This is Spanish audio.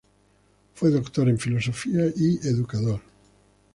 Fue Doctor en filosofía y educador.